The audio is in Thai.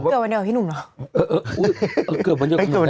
เกือบวันเดือนกับพี่หนุ่มหรอ